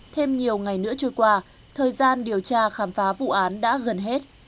thêm nhiều ngày nữa trôi qua thời gian điều tra khám phá vụ án đã gần hết